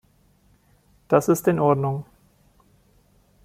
Das ist in Ordnung.